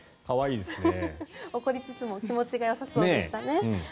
怒りつつも気持ちがよさそうでしたね。